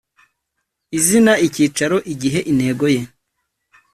izina icyicaro igihe intego ye